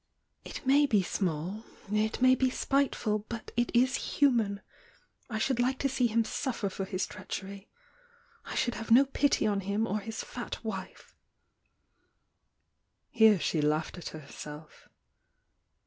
"It may be Mnall it may be spiteful but it is human I Soffuke to se^e himSuffer for h« t^a^hery^ ^ should have no pity on him or his fat wife! Uere Aelau^Idathefself.